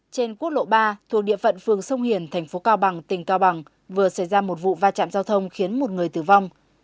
trên quốc lộ ba thuộc địa phận phường sông hiền thành phố cao bằng tỉnh cao bằng vừa xảy ra một vụ va chạm giao thông khiến một người tử vong